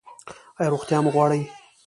ایا روغتیا مو غواړئ؟